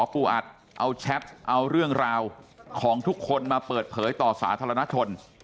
ปูอัดเอาแชทเอาเรื่องราวของทุกคนมาเปิดเผยต่อสาธารณชน